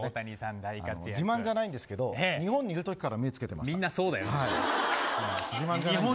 自慢じゃないんですけど日本にいるときからみんなそうだよ。